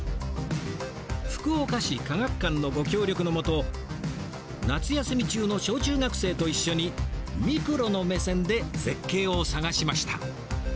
福岡市科学館のご協力のもと夏休み中の小中学生と一緒にミクロの目線で絶景を探しました。